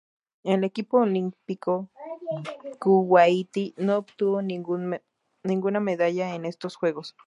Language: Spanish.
El equipo olímpico kuwaití no obtuvo ninguna medalla en estos Juegos.